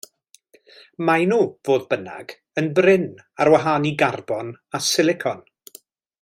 Maen nhw, fodd bynnag, yn brin, ar wahân i garbon a silicon.